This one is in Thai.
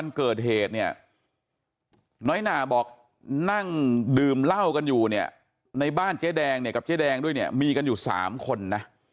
น้อยน่าบอกนั่งดื่มเล่ากันอยู่เนี่ยในบ้านเจ๊แดงเนี่ยกับเจ๊แดงด้วยเนี่ยมีกันอยู่๓คนนะ